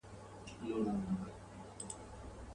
ما بې بخته له سمسوره باغه واخیسته لاسونه.